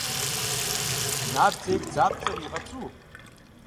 Набдзэ и бдзапцӏэр егъэцӏу.